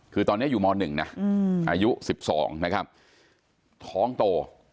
คือตอนนี้อยู่ม๑นะอายุ๑๒นะครับท้องโต